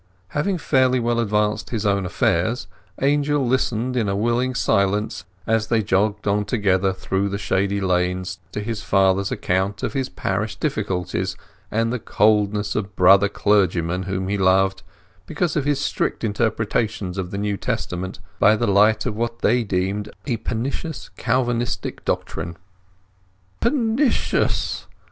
Having fairly well advanced his own affairs, Angel listened in a willing silence, as they jogged on together through the shady lanes, to his father's account of his parish difficulties, and the coldness of brother clergymen whom he loved, because of his strict interpretations of the New Testament by the light of what they deemed a pernicious Calvinistic doctrine. "Pernicious!"